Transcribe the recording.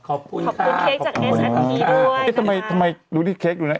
ขอบคุณค่ะขอบคุณเค้กจากเอสันเพีย์ด้วยเอ๊ะทำไมทำไมรูปนี้เค้กดูนะ